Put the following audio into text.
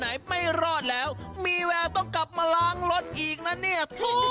ไม่รอดแล้วมีแววต้องกลับมาล้างรถอีกนะเนี่ย